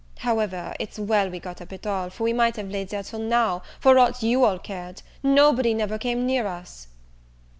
however, it's well we got up at all, for we might have laid there till now, for aught you all cared; nobody never came near us."